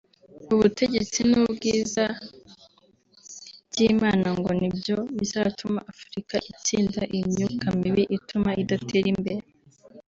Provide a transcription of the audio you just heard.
ubutegetsi n’ubwiza by’Imana ngo ni byo bizatuma Afurika itsinda iyi myuka mibi ituma idatera imbere